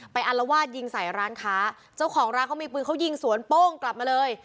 อารวาสยิงใส่ร้านค้าเจ้าของร้านเขามีปืนเขายิงสวนโป้งกลับมาเลย